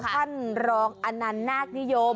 ท่านรองอันนั้นน่ากนิยม